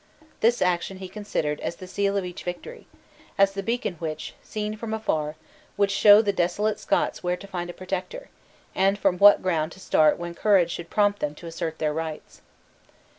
This action he considered as the seal of each victory; as the beacon which, seen from afar, would show the desolate Scots where to find a protector, and from what ground to start when courage should prompt them to assert their rights.